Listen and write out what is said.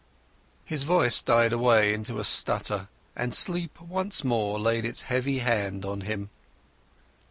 His voice died away into a splutter, and sleep once more laid its heavy hand on him.